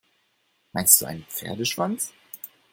Meinst du einen Pferdeschwanz?